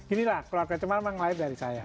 inilah keluarga cemal memang lain dari saya